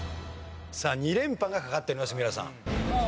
さあ２連覇がかかっています三浦さん。